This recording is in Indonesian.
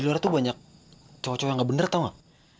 di luar tuh banyak cowok cowok yang gak bener tau gak